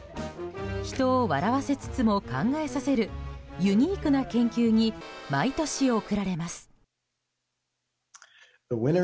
人を笑わせつつも考えさせるユニークな研究に毎年贈られます。